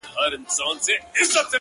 • مار لا څه چي د پېړیو اژدهار وو,